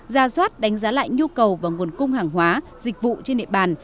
ra soát đánh giá lại nhu cầu và nguồn cung hàng hóa dịch vụ trên địa bàn